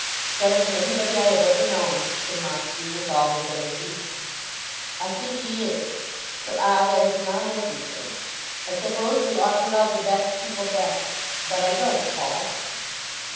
"Better than anybody I have ever known," said Montague with all his energy. "I think he is; but, ah, that is not everything. I suppose we ought to love the best people best; but I don't, Paul."